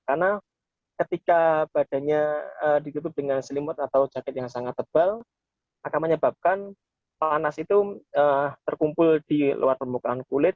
karena ketika badannya dikutuk dengan selimut atau jaket yang sangat tebal akan menyebabkan panas itu terkumpul di luar permukaan kulit